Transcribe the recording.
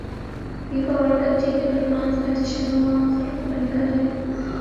FIFA World Cup جیتنے پر France میں جشنعوام سڑکوں پر نکل ائے